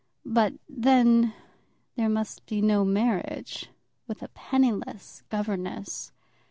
But then, there must be no marriage with a penniless governess.